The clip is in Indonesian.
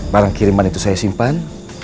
barang kiriman itu saya simpan